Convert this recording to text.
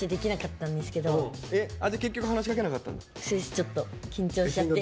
ちょっと緊張しちゃって。